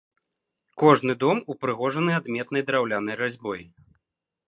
Кожны дом упрыгожаны адметнай драўлянай разьбой.